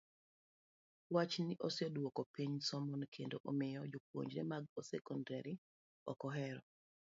Wachni oseduoko piny somoni kendo omiyo jopuonjre mag sekondar ok ohere.